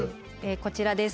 こちらです。